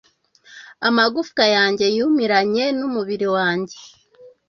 Amagufwa yanjye yumiranye n’umubiri wanjye